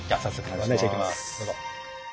どうぞ。